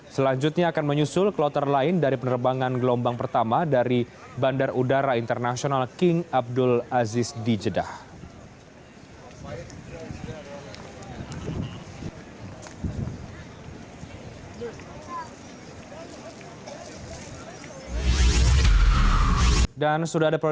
selanjutnya akan menyusul kloter lain dari penerbangan gelombang pertama dari bandar udara internasional king abdul aziz dijedah